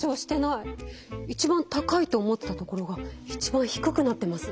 一番高いと思ってた所が一番低くなってます。